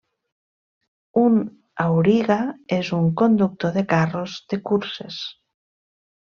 Un auriga és un conductor de carros de curses.